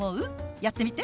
やってみて！